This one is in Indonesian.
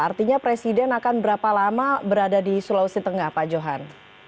artinya presiden akan berapa lama berada di sulawesi tengah pak johan